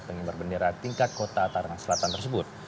pengimbar bendera tingkat kota tanggerang selatan tersebut